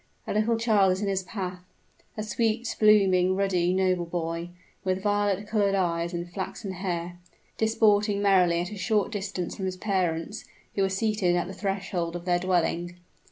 A little child is in his path a sweet, blooming, ruddy, noble boy; with violet colored eyes and flaxen hair disporting merrily at a short distance from his parents, who are seated at the threshold of their dwelling.